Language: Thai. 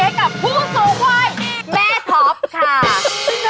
ให้กับผู้สูงวัยแม่ท็อปค่ะ